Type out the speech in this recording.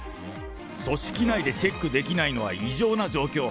組織内でチェックできないのは異常な状況。